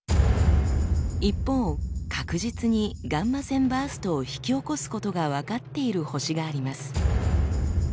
一方確実にガンマ線バーストを引き起こすことが分かっている星があります。